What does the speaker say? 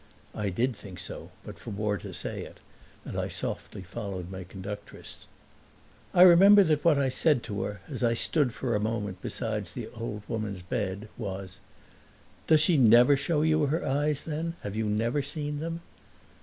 I did think so but forebore to say it, and I softly followed my conductress. I remember that what I said to her as I stood for a moment beside the old woman's bed was, "Does she never show you her eyes then? Have you never seen them?"